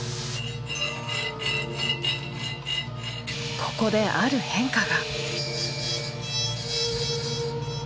ここである変化が。